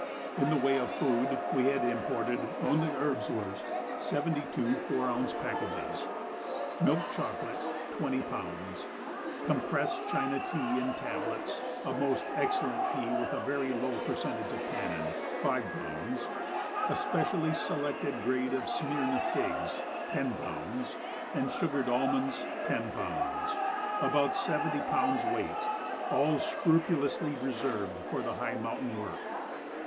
In the way of food, we had imported only erbswurst, seventy two four ounce packages; milk chocolate, twenty pounds; compressed China tea in tablets (a most excellent tea with a very low percentage of tannin), five pounds; a specially selected grade of Smyrna figs, ten pounds; and sugared almonds, ten pounds about seventy pounds' weight, all scrupulously reserved for the high mountain work.